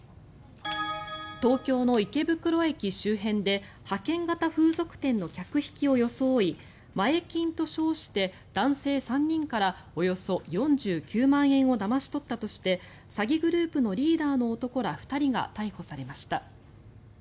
東京の池袋駅周辺で派遣型風俗店の客引きを装い前金と称して男性３人からおよそ４９万円をだまし取ったとして詐欺グループのリーダーの男ら２人が逮捕されました。